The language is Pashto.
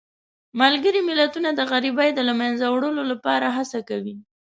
ملګري ملتونه د غریبۍ د له منځه وړلو لپاره هڅه کوي.